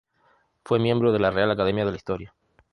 Fue miembro de la Real Academia de la Historia.